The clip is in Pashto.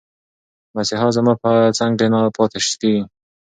مسیحا زما په څنګ کې پاتې کېږي.